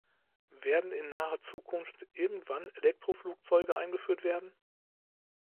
Werden in naher Zukunft irgendwann Elektroflugzeuge eingeführt werden?